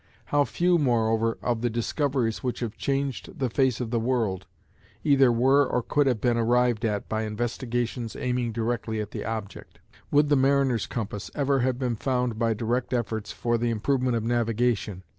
How few, moreover, of the discoveries which have changed the face of the world, either were or could have been arrived at by investigations aiming directly at the object! Would the mariner's compass ever have been found by direct efforts for the improvement of navigation?